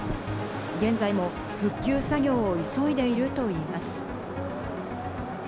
現在も復旧作業を急いでいるといいます。